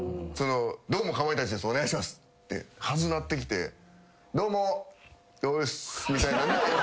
「どうもかまいたちですお願いします」って恥ずなってきて「どうもおっす」みたいなんで自然に。